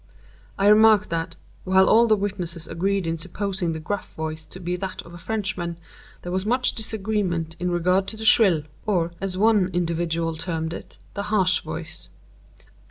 I remarked that, while all the witnesses agreed in supposing the gruff voice to be that of a Frenchman, there was much disagreement in regard to the shrill, or, as one individual termed it, the harsh voice.